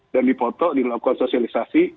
dan dipotong dilakukan sosialisasi